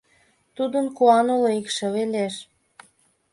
Тудын куан уло: икшыве лиеш.